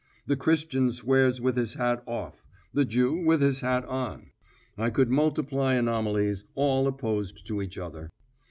The Christian swears with his hat off; the Jew with his hat on. I could multiply anomalies, all opposed to each other.